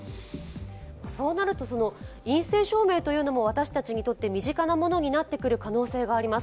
そうなると陰性証明というのも私たちにとって身近なものになってくる可能性があります。